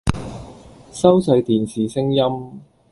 收細電視聲音